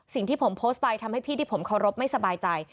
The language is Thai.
สิ่งที่ผมโพสต์ไปทำให้พี่ที่ผมเคารพไม่สบายใจ